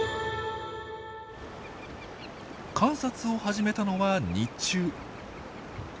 観察を始めたのは日中。